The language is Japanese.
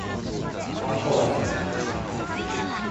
散歩が好き